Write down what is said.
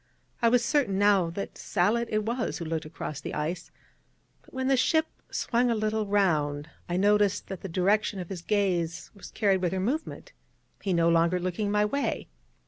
I was certain now that Sallitt it was who looked across the ice: but when the ship swung a little round, I noticed that the direction of his gaze was carried with her movement, he no longer looking my way.